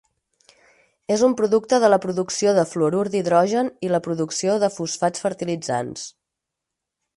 És un producte de la producció de fluorur d’hidrogen i la producció de fosfats fertilitzants.